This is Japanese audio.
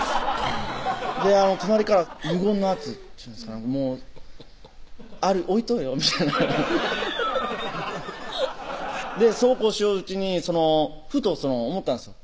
隣から無言の圧っちゅうんですかもう「あれ置いとうよ」みたいなそうこうしよううちにふと思ったんですよ